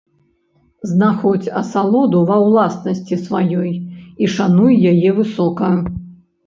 Знаходзь асалоду ва ўласнасці сваёй і шануй яе высока!